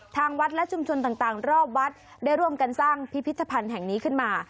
ทางวัดและชุมชนต่างรอบวัดได้ร่วมกันสร้างพิพิธภัณฑ์แห่งนี้ขึ้นมา